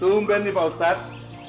tumpen nih pak ustadz